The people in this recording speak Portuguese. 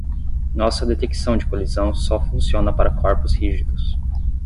Nossa detecção de colisão só funciona para corpos rígidos.